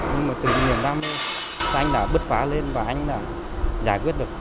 nhưng mà từ kinh nghiệm đam mê anh đã bứt phá lên và anh đã giải quyết được